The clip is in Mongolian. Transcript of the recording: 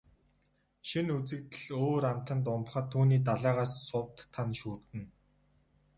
Шинэ үзэгдэл өөр амтанд умбахад түүний далайгаас сувд, тана шүүрдэнэ.